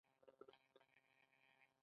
ضحاک ښار ولې سور رنګ لري؟